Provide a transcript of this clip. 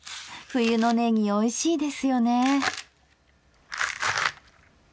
冬のねぎおいしいですよね。